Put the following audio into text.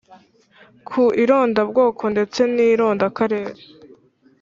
ku irondabwoko ndetse n irondakarere